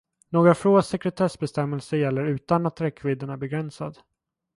Några få sekretessbestämmelser gäller utan att räckvidden är begränsad.